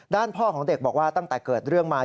พ่อของเด็กบอกว่าตั้งแต่เกิดเรื่องมา